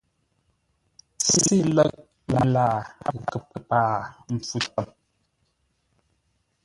Sê ləʼ məlaa gháp kəpaa mpfu tsəm.